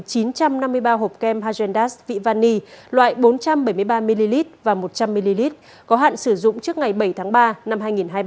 có chín trăm năm mươi ba hộp kem hazendas vị vani loại bốn trăm bảy mươi ba ml và một trăm linh ml có hạn sử dụng trước ngày bảy tháng ba năm hai nghìn hai mươi ba